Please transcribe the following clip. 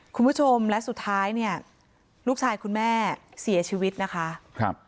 คุณผู้ชมและสุดท้ายเนี่ยลูกชายคุณแม่เสียชีวิตนะคะครับ